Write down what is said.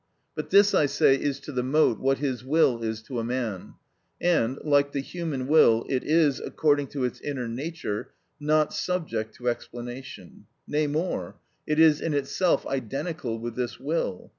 But this, I say, is to the mote what his will is to a man; and, like the human will, it is, according to its inner nature, not subject to explanation; nay, more—it is in itself identical with this will.